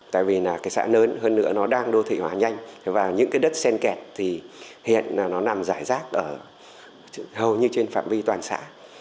tại vì xã lớn hơn nữa nó đang đô thị hóa nhanh và những đất sen kẹt thì hiện nó nằm rải rác hầu như trên phạm vi toàn xã